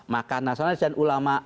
maka nasionalis dan ulama